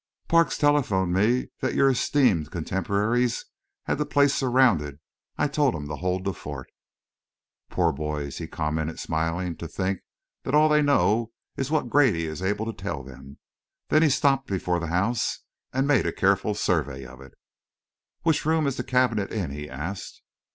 "Parks telephoned me that your esteemed contemporaries had the place surrounded. I told him to hold the fort!" "Poor boys!" he commented, smiling. "To think that all they know is what Grady is able to tell them!" Then he stopped before the house and made a careful survey of it. "Which room is the cabinet in?" he asked.